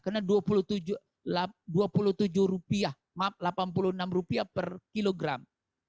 karena rp dua puluh tujuh maaf rp delapan puluh enam per kilogram